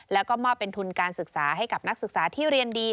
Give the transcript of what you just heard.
แล้วก็มอบเป็นทุนการศึกษาให้กับนักศึกษาที่เรียนดี